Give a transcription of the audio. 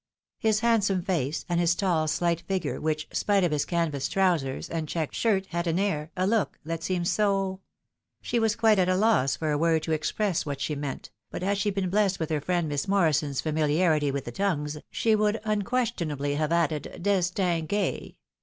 His handsome face, and his tall slight figure, which, spite of his canvas trowsers and checked shirt, had an air, a look, that seemed sO' — she was quite at a loss for a word to express what she meant, but had she been blessed with her friend Miss Morri son's famiharity with the tongues, she would tmquestionably have added " destengay."